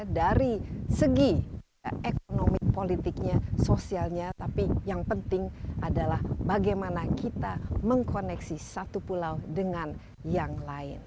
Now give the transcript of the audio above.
dari segi ekonomi politiknya sosialnya tapi yang penting adalah bagaimana kita mengkoneksi satu pulau dengan yang lain